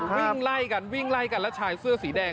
วิ่งไล่กันวิ่งไล่กันแล้วชายเสื้อสีแดง